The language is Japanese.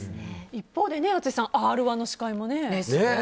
一方で、淳さん「Ｒ‐１」の司会もね。